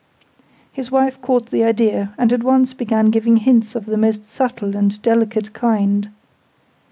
His wife caught the idea, and at once began giving hints of the most subtle and delicate kind.